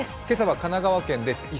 今朝は神奈川県です。